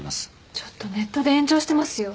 ちょっとネットで炎上してますよ。